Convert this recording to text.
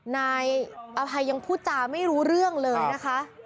นายอภัยยังพูดจาไม่รู้เรื่องเลยนะคะ